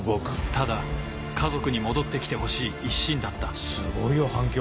ただ家族に戻って来てほしい一心だったすごいよ反響！